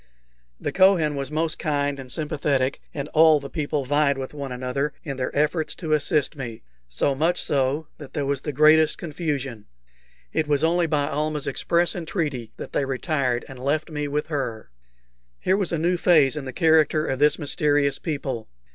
The Kohen was most kind and sympathetic, and all the people vied with one another in their efforts to assist me so much so that there was the greatest confusion. It was only by Almah's express entreaty that they retired and left me with her. Here was a new phase in the character of this mysterious people.